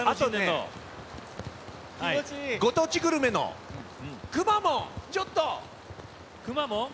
ご当地グルメのくまモン、ちょっと。